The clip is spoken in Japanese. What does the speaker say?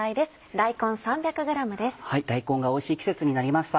大根がおいしい季節になりました。